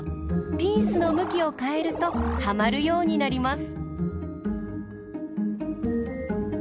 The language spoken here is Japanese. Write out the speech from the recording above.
ピースのむきをかえるとはまるようになります。